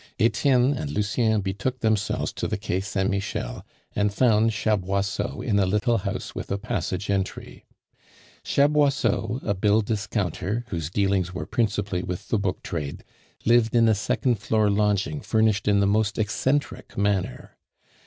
Etienne and Lucien betook themselves to the Quai Saint Michel, and found Chaboisseau in a little house with a passage entry. Chaboisseau, a bill discounter, whose dealings were principally with the book trade, lived in a second floor lodging furnished in the most eccentric manner.